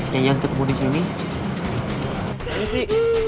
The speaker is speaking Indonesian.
yang jangan ketemu disini